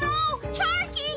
チャーキー！